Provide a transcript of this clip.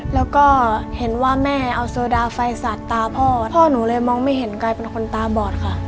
แล้วก็เห็นว่าแม่เอาโซดาไฟสาดตาพ่อพ่อหนูเลยมองไม่เห็นกลายเป็นคนตาบอดค่ะ